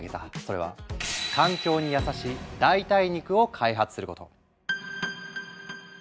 それは環境に優しい代替肉を開発すること。